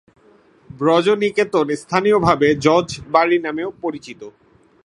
ব্রজ নিকেতন স্থানীয়ভাবে জজ বাড়ি নামেও পরিচিত।